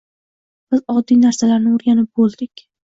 Biz oddiy narsalarni o’rganib bo’ldik.